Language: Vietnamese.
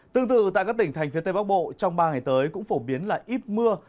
tương tự tại các tỉnh thành phía tây bắc bộ trong ba ngày tới cũng phổ biến là ít mưa